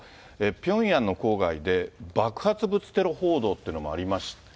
ピョンヤンの郊外で爆発物テロ報道ってのもありました。